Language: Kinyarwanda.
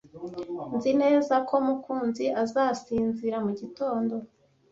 Nzi neza ko Mukunzi azasinzira mugitondo.